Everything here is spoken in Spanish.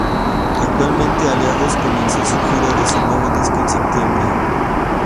Actualmente Aliados comenzó su gira de su nuevo disco en septiembre.